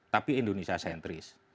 tapi indonesia sentris